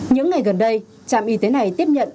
những ngày gần đây trạm y tế này tiếp nhận